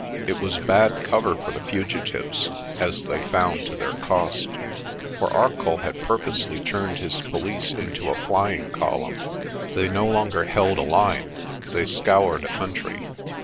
It was bad cover for the fugitives, as they found to their cost. For Arcoll had purposely turned his police into a flying column. They no longer held a line; they scoured a country.